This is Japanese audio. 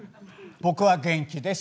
僕は元気です。